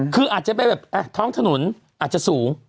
คืออาจจะเป็นแบบท้องถนนอาจจะสูง